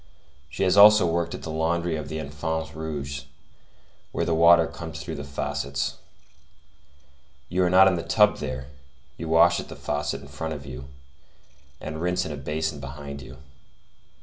She has also worked at the laundry of the Enfants Rouges, where the water comes through faucets. You are not in the tub there; you wash at the faucet in front of you, and rinse in a basin behind you.